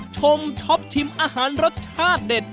ชมชอบชิมอาหารรสชาติเด็ด